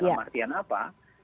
dalam artian apa